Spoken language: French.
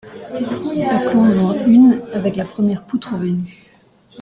Bâclons-en une avec la première poutre venue.